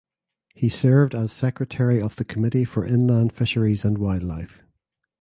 He served as secretary of the Committee for Inland Fisheries and Wildlife.